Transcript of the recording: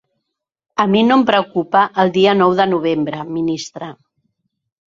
A mi no em preocupa el dia nou de novembre, ministre.